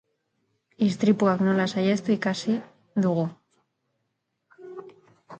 Istripuak nola saihestu ikasi dugu.